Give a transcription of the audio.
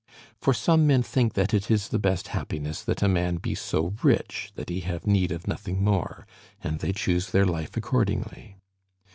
For some men think that it is the best happiness that a man be so rich that he have need of nothing more, and they choose their life accordingly.